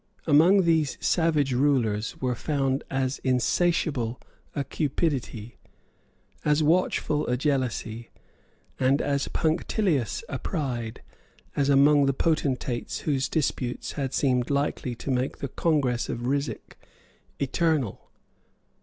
Among these savage rulers were found as insatiable a cupidity, as watchful a jealousy, and as punctilious a pride, as among the potentates whose disputes had seemed likely to make the Congress of Ryswick eternal.